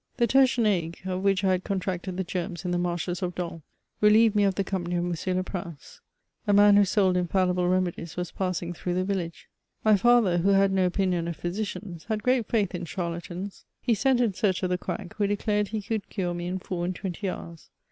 The tertian ague, of which I had contracted the germs in the marshes of Dol, reliered me of the company of M. Leprinoe. A man who sold " infallible remedies" was passing through the Tillage. My father, who had no opinion of physicians, had great faith in charlatans. He sent in search of the quack, who declared he could cure me in four and twenty hours.